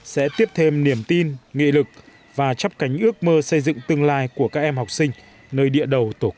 sẽ tiếp thêm niềm tin nghị lực và chấp cánh ước mơ xây dựng tương lai của các em học sinh nơi địa đầu tổ quốc